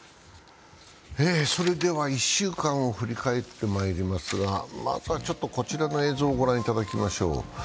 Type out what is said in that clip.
１週間を振り返ってまいりますが、こちらの映像をご覧いただきましょう。